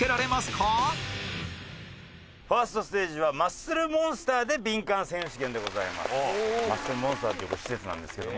さあ １ｓｔ ステージはマッスルモンスターでビンカン選手権でございます。